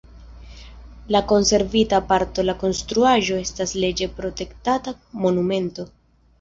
La konservita parto de la konstruaĵo estas leĝe protektata monumento.